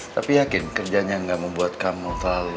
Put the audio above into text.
tapi yakin kerjanya ga membuat kamu terlalu